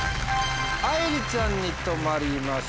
あいりちゃんに止まりました。